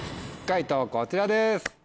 解答こちらです。